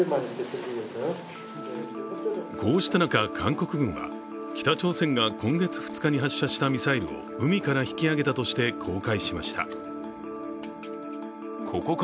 こうした中、韓国軍は北朝鮮が今月２日に発射したミサイルと海から引きあげたとして公開しました。